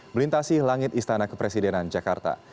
melintasi langit istana kepresidenan jakarta